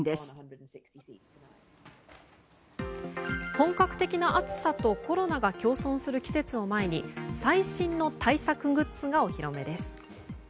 本格的な暑さとコロナが共存する季節を前に最新の対策グッズがお披露目です。